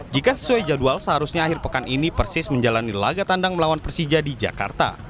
jika sesuai jadwal seharusnya akhir pekan ini persis menjalani laga tandang melawan persija di jakarta